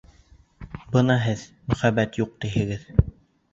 Бына һеҙ мөхәббәт юҡ, тиһегеҙ.